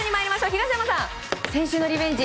東山さん、先週のリベンジ。